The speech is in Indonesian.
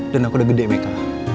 dan aku udah gede mika